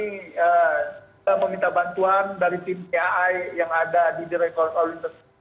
kita meminta bantuan dari tim tai yang ada di the record of all interschool